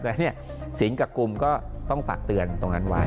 แล้วเนี่ยสิงห์กับกลุ่มก็ต้องฝากเตือนตรงนั้นไว้